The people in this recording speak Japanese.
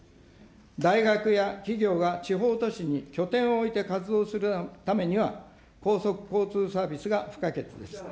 大学や企業が地方都市に拠点を置いて活動するためには、高速交通サービスが不可欠です。